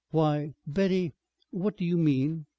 "Why, Betty, what do you mean?"